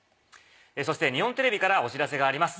そして日本テレビからお知らせがあります。